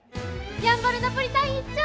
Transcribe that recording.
やんばるナポリタン１丁！